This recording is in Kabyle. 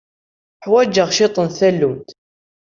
Ḥwajeɣ cwiṭ n tallunt.